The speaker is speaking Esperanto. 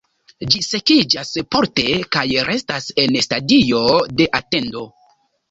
Ĝi sekiĝas porte kaj restas en stadio de atendo.